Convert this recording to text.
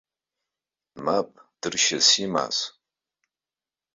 Мап, дыршьас имаз?